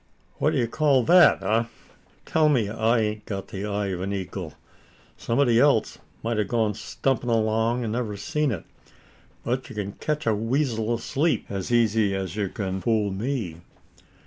"What d'ye call that, eh? Tell me I ain't got the eye of an eagle? Somebody else might have gone stumping along, and never seen it. But you can ketch a weasel asleep as easy as you can fool me."